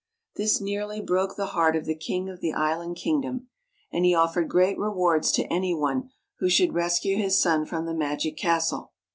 This nearly broke the heart of the king of the island kingdom, and he offered great rewards to any one who should rescue his Son from the magic castle.